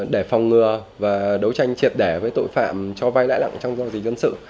để phòng ngừa và đấu tranh triệt đẻ với tội phạm cho vai lãi nặng trong giao dịch dân sự